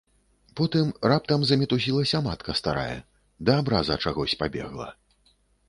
Потым раптам замітусілася матка старая, да абраза чагось пабегла.